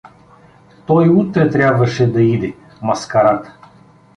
Той утре трябваше да иде, маскарата!